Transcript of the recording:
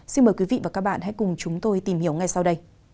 xin mời quý vị và các bạn hãy cùng chúng tôi tìm hiểu ngay sau đây